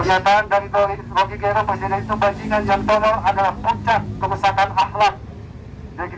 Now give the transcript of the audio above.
pernyataan dari rocky gerung presiden itu bandingan yang terlalu adalah puncak kebesarkan akhlaq